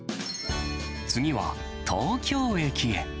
次は、東京駅へ。